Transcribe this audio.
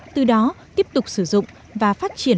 từ đó tiếp tục sử dụng và phát triển